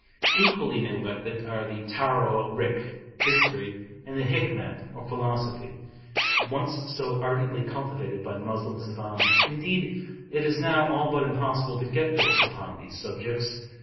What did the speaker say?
Equally neglected are the Tawarikh (history) and the Hikmat (or philosophy), once so ardently cultivated by Moslem savans; indeed, it is now all but impossible to get books upon these subjects.